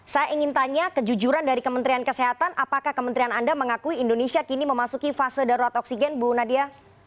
saya ingin tanya kejujuran dari kementerian kesehatan apakah kementerian anda mengakui indonesia kini memasuki fase darurat oksigen bu nadia